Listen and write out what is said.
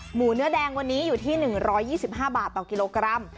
หมูเนื้อแดงวันนี้อยู่ที่๑๒๕บาทต่อกิโลกรัม